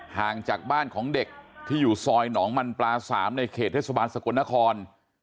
ห่างจากบ้านของเด็กที่อยู่ซอยหนองมันปลา๓ในเขตเทศบาลสกลนคร